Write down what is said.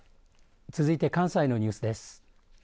続いて関西のニュースです。